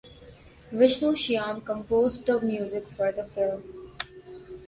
Vishnu Shyam composed the music for the film.